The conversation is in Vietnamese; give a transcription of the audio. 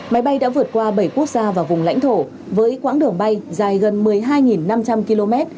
máy bay đã vượt qua bảy quốc gia và vùng lãnh thổ với quãng đường bay dài gần một mươi hai năm trăm linh km